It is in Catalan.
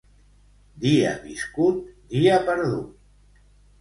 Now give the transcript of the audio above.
Dia viscut, dia perdut.